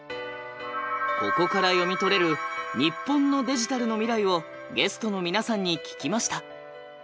ここから読み取れる日本のデジタルの未来をゲストの皆さんに聞きました。